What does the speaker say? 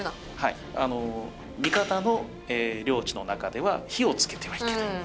味方の領地の中では火をつけてはいけない。